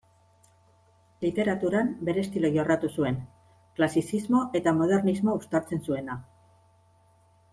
Literaturan bere estilo jorratu zuen, klasizismo eta modernismo uztartzen zuena.